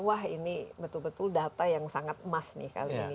wah ini betul betul data yang sangat emas nih kali ini